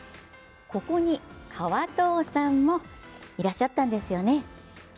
ここに川藤さんもいらっしゃったんですよね。